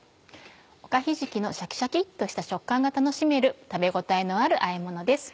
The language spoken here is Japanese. おかひじきのシャキシャキっとした食感が楽しめる食べ応えのあるあえものです。